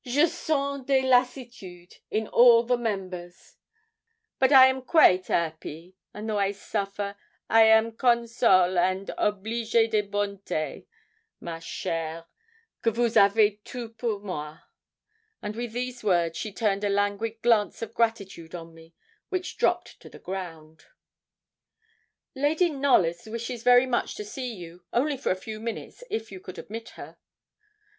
'Je sens des lassitudes in all the members but I am quaite 'appy, and though I suffer I am console and oblige des bontés, ma chère, que vous avez tous pour moi;' and with these words she turned a languid glance of gratitude on me which dropped on the ground. 'Lady Knollys wishes very much to see you, only for a few minutes, if you could admit her.'